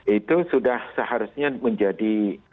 itu sudah seharusnya menjadi